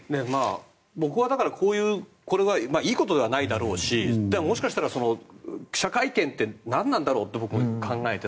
僕はだからこれはいいことではないだろうしもしかしたら記者会見って何なんだろうと僕、考えて。